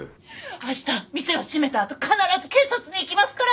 明日店を閉めたあと必ず警察に行きますから。